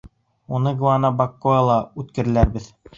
Уны Гуанабакоала үткерләрбеҙ.